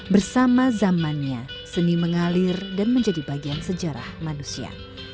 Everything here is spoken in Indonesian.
bersama zamannya seni mengalir dan menjadi bagian sejarah manusia